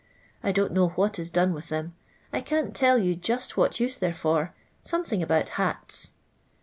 I don't know what ii done with them. I can't tell you jutt what use they *re for — something about hats."